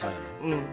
うん。